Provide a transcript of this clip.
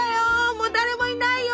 もう誰もいないよ！